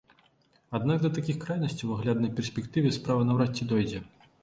Аднак да такіх крайнасцяў у агляднай перспектыве справа наўрад ці дойдзе.